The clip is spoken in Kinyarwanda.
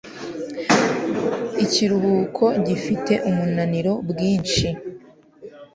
ikiruhuko gifite umunaniro bwinshi